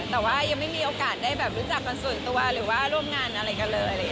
แต่ว่ายังไม่มีโอกาสได้รู้จักกันส่วนตัวหรือว่าร่วมงานอะไรกันเลย